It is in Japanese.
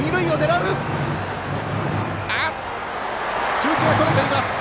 中継、それています。